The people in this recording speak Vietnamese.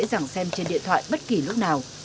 dẳng xem trên điện thoại bất kỳ lúc nào